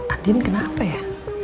andien kenapa ya